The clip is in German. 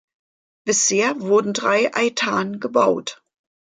Bisher wurden drei Eitan gebaut.